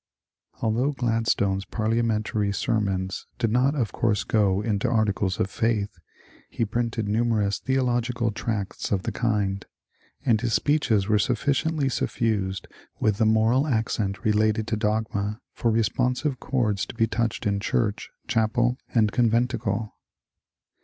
Although Gladstone's parliamentary sermons did not of course go into articles of faith, he printed numer ous theological tracts of the kind, and his speeches were suffi ciently suffused with the moral accent related to dogma for • responsive chords to be touched in church, chapel, and con venticle.